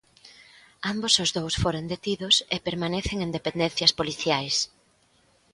Ambos os dous foron detidos e permanecen en dependencias policiais.